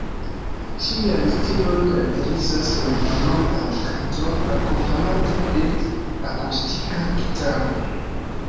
Ŝian stilon karakterizas la mallongaj kantoj, akompanata de akustika gitaro.